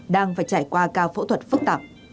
đang phải trải qua cao phẫu thuật phức tạp